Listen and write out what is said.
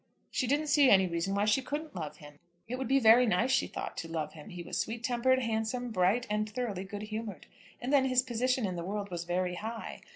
She didn't see any reason why she couldn't love him. It would be very nice, she thought, to love him. He was sweet tempered, handsome, bright, and thoroughly good humoured; and then his position in the world was very high.